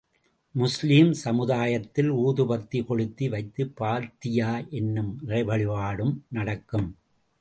முஸ்லீம் சமுதாயத்தில், ஊதுபத்தி கொளுத்தி வைத்து பாத்தியா எனும் இறைவழிபாடு நடக்கும்.